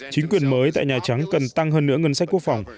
chính quyền mới tại nhà trắng cần tăng hơn nữa ngân sách quốc phòng